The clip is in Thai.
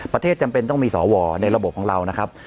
จำเป็นต้องมีสวในระบบของเรานะครับ